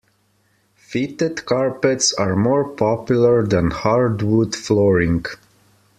Fitted carpets are more popular than hardwood flooring